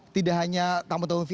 tidak hanya tamu tamu vie